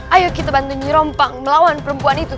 ayo kita bantu nyirompang melawan perempuan itu